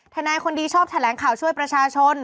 ทนายคนดีชอบแถลงข่าวช่วยประชาชน